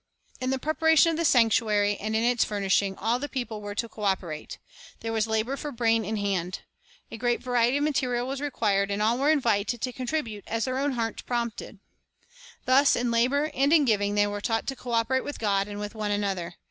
In the preparation of the sanctuary and in its fur nishing, all the people were to co operate. There was labor for brain and hand. A great variety of material was required, and all were invited to contribute as their own hearts prompted. Thus in labor and in giving they were taught to co operate with God and with one another.